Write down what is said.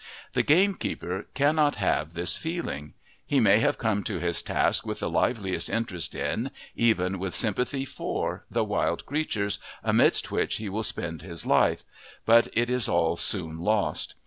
The gamekeeper cannot have this feeling: he may come to his task with the liveliest interest in, even with sympathy for, the wild creatures amidst which he will spend his life, but it is all soon lost.